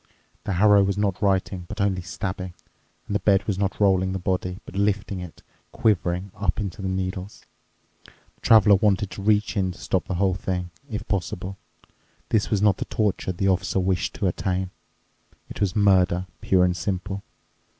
The harrow was not writing but only stabbing, and the bed was not rolling the body, but lifting it, quivering, up into the needles. The Traveler wanted to reach in to stop the whole thing, if possible. This was not the torture the Officer wished to attain. It was murder, pure and simple.